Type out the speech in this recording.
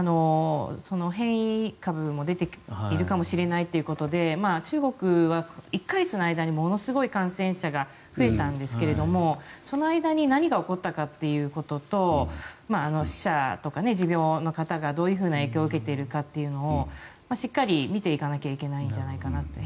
変異株も出てきているかもしれないということで中国は１か月の間にものすごく感染者が増えたんですがその間に何が起こったかということと死者とか、持病の方がどういう影響を受けているかというのをしっかり見ていかなきゃいけないんじゃないかなと。